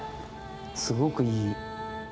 すごくいい。